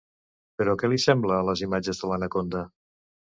Però què li sembla les imatges de l'anaconda?